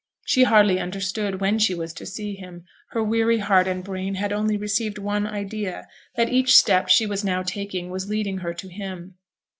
She hardly understood when she was to see him; her weary heart and brain had only received one idea that each step she was now taking was leading her to him.